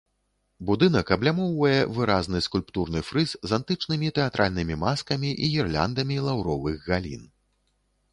Будынак аблямоўвае выразны скульптурны фрыз з антычнымі тэатральнымі маскамі і гірляндамі лаўровых галін.